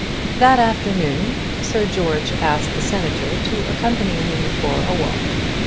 That afternoon Sir George asked the Senator to accompany him for a walk.